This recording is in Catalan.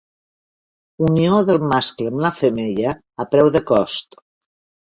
Unió del mascle amb la femella a preu de cost.